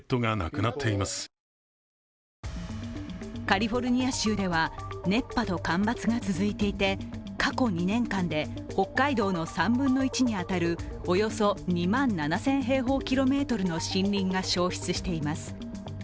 カリフォルニア州では、熱波と干ばつが続いていて、過去２年間で北海道の３分の１に当たるおよそ２万７０００平方キロメートルの森林が消失しています。